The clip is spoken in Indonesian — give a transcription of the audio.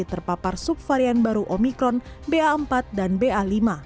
terpapar subvarian baru omikron ba empat dan ba lima